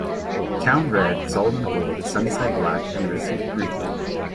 Town red, Solomon gold, Sunnyside black and Rissik green.